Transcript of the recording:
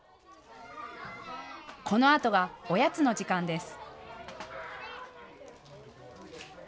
このあとがおやつの時間です。